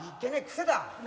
癖だ。